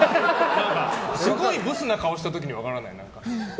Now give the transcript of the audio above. すごいブスな顔した時に分からない？